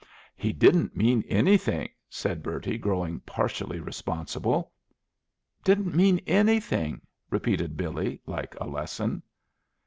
"He didn't mean anything," said Bertie, growing partially responsible. "Didn't mean anything," repeated Billy, like a lesson.